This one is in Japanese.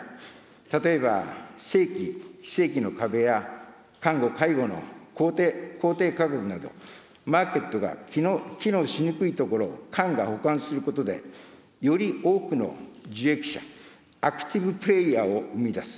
例えば、正規・非正規の壁や、看護・介護の公定価格など、マーケットが機能しにくいところを官が補完することで、より多くの受益者、アクティブ・プレーヤーを生み出す。